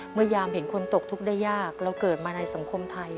ยามเห็นคนตกทุกข์ได้ยากเราเกิดมาในสังคมไทย